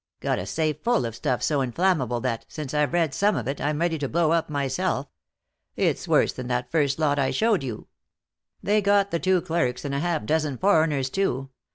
Got a safe full of stuff so inflammable that, since I've read some of it, I'm ready to blow up myself. It's worse than that first lot I showed you. They got the two clerks, and a half dozen foreigners, too.